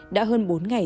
đã hơn bốn ngày